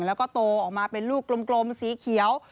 แล้วก็โตออกมาเป็นลูกกลมสีเขียว